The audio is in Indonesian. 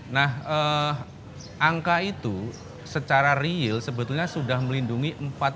nah angka itu secara real sebetulnya sudah melindungi empat puluh empat